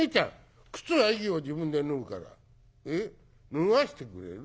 脱がせてくれる？